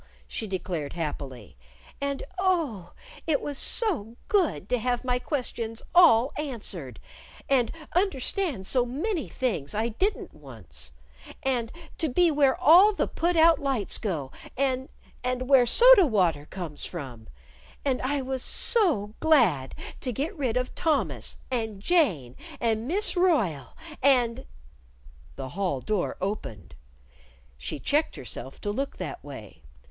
she declared happily. "And, oh, it was so good to have my questions all answered, and understand so many things I didn't once and to be where all the put out lights go, and and where soda water comes from. And I was so glad to get rid of Thomas and Jane and Miss Royle, and " The hall door opened. She checked herself to look that way.